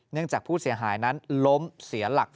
จากผู้เสียหายนั้นล้มเสียหลัก